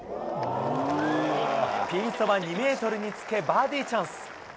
ピンそば２メートルにつけ、バーディーチャンス。